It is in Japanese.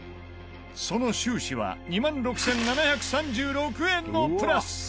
その収支は２万６７３６円のプラス！